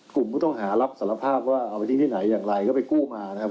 กลุ่มผู้ต้องหารับสารภาพว่าเอาไปทิ้งที่ไหนอย่างไรก็ไปกู้มานะครับ